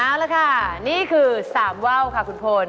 เอาละค่ะนี่คือ๓ว่าวค่ะคุณพล